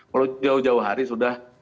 kalau jauh jauh hari sudah